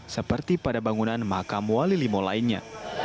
seperti pada bangunan makam wali limo lainnya